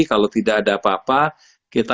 kalau tidak ada apa apa kita